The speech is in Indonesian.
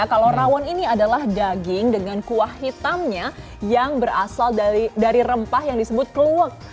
kalau rawon ini adalah daging dengan kuah hitamnya yang berasal dari rempah yang disebut kluwek